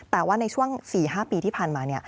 แต่ว่าในช่วง๔๕ปีที่ผ่านมา